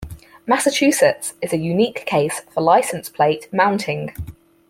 Massachusetts is a unique case for license plate mounting.